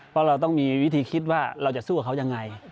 เพราะเราต้องมีวิธีคิดว่าเราจะสู้กับเขายังไง